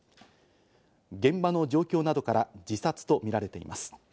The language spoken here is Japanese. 現場の状況などから自殺とみられています。